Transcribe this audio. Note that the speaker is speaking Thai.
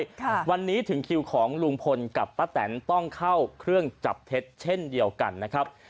ค่ะวันนี้ถึงคิวของลุงพลกับป้าแตนต้องเข้าเครื่องจับเท็จเช่นเดียวกันนะครับ